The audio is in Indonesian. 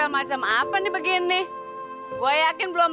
makasih ya dok